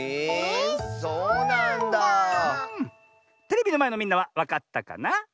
テレビのまえのみんなはわかったかなあ？